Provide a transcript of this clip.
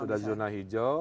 sudah zona hijau